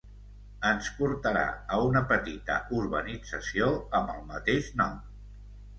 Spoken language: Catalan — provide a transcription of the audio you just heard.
ens portarà a una petita urbanització amb el mateix nom